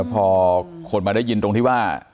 พอคนมาได้ยินตรงที่ว่า